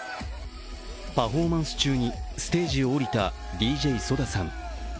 パフォーマンス中にステージを降りたＤＪＳＯＤＡさん。